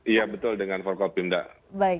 iya betul dengan forkopim ndak